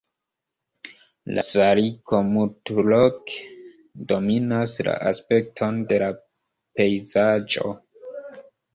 La saliko multloke dominas la aspekton de la pejzaĝo.